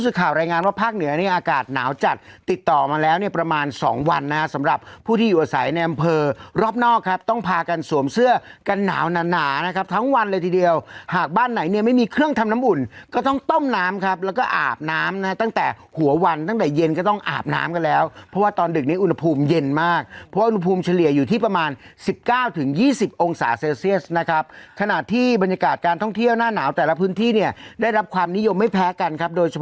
รายงานว่าภาคเหนือนี้อากาศหนาวจัดติดต่อมาแล้วเนี่ยประมาณสองวันนะฮะสำหรับผู้ที่อยู่อาศัยในอำเภอรอบนอกครับต้องพากันสวมเสื้อกันหนาวหนานะครับทั้งวันเลยทีเดียวหากบ้านไหนเนี่ยไม่มีเครื่องทำน้ำอุ่นก็ต้องต้มน้ำครับแล้วก็อาบน้ำนะฮะตั้งแต่หัววันตั้งแต่เย็นก็ต้องอาบน้ำก